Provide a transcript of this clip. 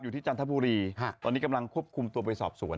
อยู่ที่จันทบุรีครับตอนนี้กำลังควบคุมตัวไปสอบส่วน